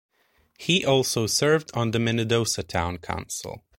He also served on the Minnedosa town council.